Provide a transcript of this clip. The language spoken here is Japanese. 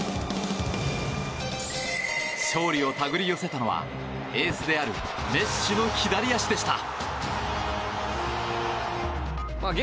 勝利を手繰り寄せたのはエースであるメッシの左足でした。